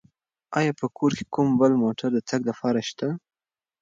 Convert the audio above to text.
آیا په کور کې کوم بل موټر د تګ لپاره شته؟